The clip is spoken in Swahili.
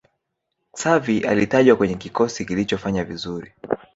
xavi alitajwa kwenye kikosi kilichofanya vizuri